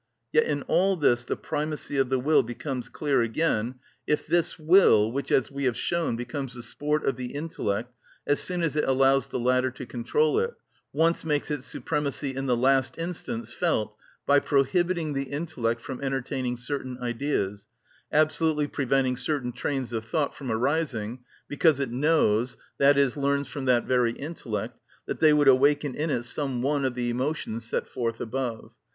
Yet in all this the primacy of the will becomes clear again, if this will, which, as we have shown, becomes the sport of the intellect as soon as it allows the latter to control it, once makes its supremacy in the last instance felt by prohibiting the intellect from entertaining certain ideas, absolutely preventing certain trains of thought from arising, because it knows, i.e., learns from that very intellect, that they would awaken in it some one of the emotions set forth above.